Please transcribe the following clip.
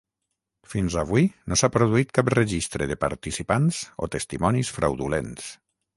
Fins avui, no s'ha produït cap registre de participants o testimonis fraudulents.